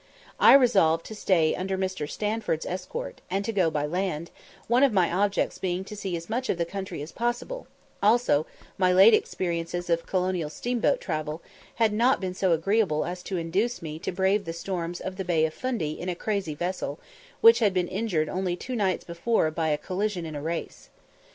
I resolved to stay under Mr. Sandford's escort, and go by land, one of my objects being to see as much of the country as possible; also my late experiences of colonial steamboat travelling had not been so agreeable as to induce me to brave the storms of the Bay of Fundy in a crazy vessel, which had been injured only two nights before by a collision in a race.